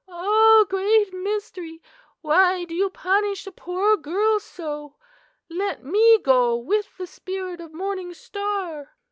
"'Ah, Great Mystery! why do you punish a poor girl so? Let me go with the spirit of Morning Star!